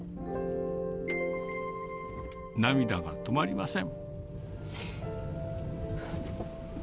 涙が止まりません。